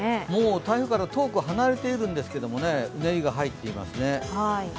台風から遠く離れているんですけど、うねりが入っていますね。